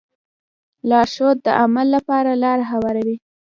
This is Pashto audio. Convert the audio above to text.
لارښود د عمل لپاره لاره هواروي.